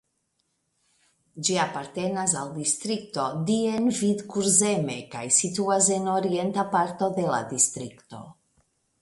Ĝi apartenas al distrikto Dienvidkurzeme kaj situas en orienta parto de la distrikto.